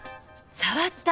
触った。